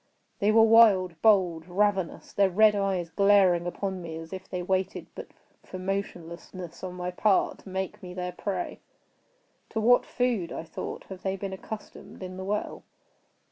They were wild, bold, ravenous—their red eyes glaring upon me as if they waited but for motionlessness on my part to make me their prey. "To what food," I thought, "have they been accustomed in the well?"